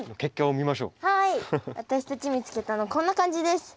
私たち見つけたのこんな感じです。